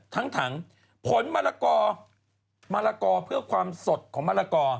ทั้งผลมะละกอเพื่อความสดของมะละกออ้อ